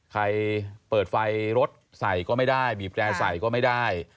ใครเปิดไฟรถใส่ก็ไม่ได้บีบแร่ใส่ก็ไม่ได้